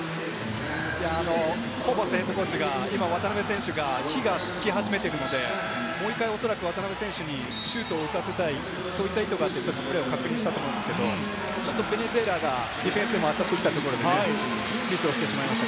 ホーバスＨＣが渡邊選手が火がつき始めているので、もう１回おそらく渡邊選手にシュートを打たせたい、そういった意図があってプレーを確認したと思うんですが、ちょっとベネズエラがディフェンスで当たってきたところでミスをしてしまいました。